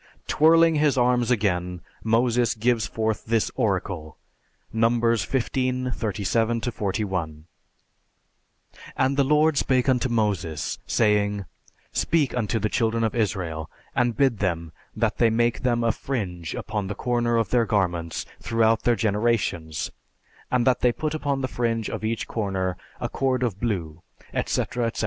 Twirling his arms again, Moses gives forth this oracle (Numbers XV, 37 41): "And the Lord spake unto Moses, saying, 'Speak unto the Children of Israel, and bid them that they make them a fringe upon the corner of their garments throughout their generations, and that they put upon the fringe of each corner a cord of blue, etc., etc."